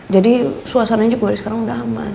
jadi suasananya juga dari sekarang udah aman